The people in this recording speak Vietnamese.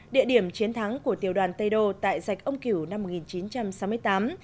địa điểm chiến thắng của tiểu đoàn tây đô tại giạch ông kiểu năm một nghìn chín trăm sáu mươi tám